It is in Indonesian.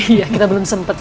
iya kita belum sempat